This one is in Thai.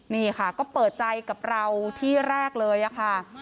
นี่ค่ะก็เปิดใจกับเราที่แรกเลยค่ะ